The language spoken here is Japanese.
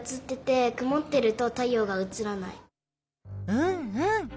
うんうん！